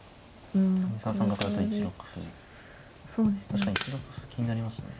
確かに１六歩気になりますね。